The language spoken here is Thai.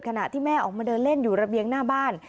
ขณะที่แม่ออกมาเดินเล่นอยู่ระเบียงหน้าบ้าน